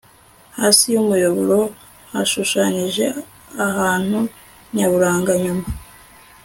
Hasi yumuyoboro yashushanyije ahantu nyaburanga nyuma